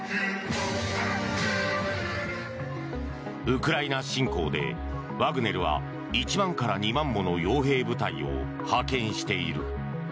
ウクライナ侵攻で、ワグネルは１万から２万もの傭兵部隊を派遣している。